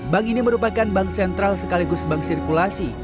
bank ini merupakan bank sentral sekaligus bank sirkulasi